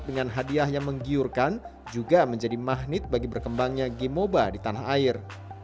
dan hadiah yang menggiurkan juga menjadi magnet bagi berkembangnya game moba di tanah air